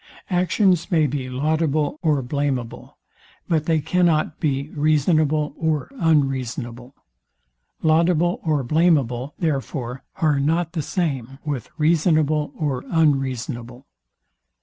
Actions may be laudable or blameable; but they cannot be reasonable: Laudable or blameable, therefore, are not the same with reasonable or unreasonable.